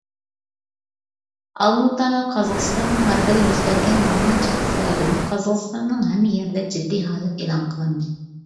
ئالمۇتا ۋە قازاقىستاننىڭ غەربىدە يۈز بەرگەن مالىمانچىلىق سەۋەبىدىن قازاقىستاننىڭ ھەممە يېرىدە جىددىي ھالەت ئېلان قىلىندى.